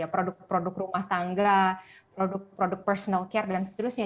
produk produk rumah tangga produk produk personal care dan seterusnya